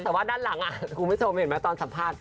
แต่ว่าด้านหลังมิสเตอร์ว่าทรงไป